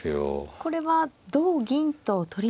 これは同銀と取りますと。